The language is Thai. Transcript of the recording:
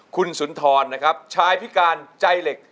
คุณสุนทรนะครับชายพิการใจเหล็ก